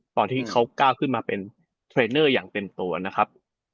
ตอนที่เขาก้าวขึ้นมาเป็นเทรนเนอร์อย่างเต็มตัวนะครับ